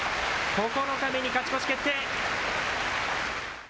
９日目に勝ち越し決定。